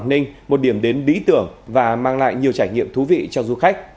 cô tỉnh quảng ninh một điểm đến bí tưởng và mang lại nhiều trải nghiệm thú vị cho du khách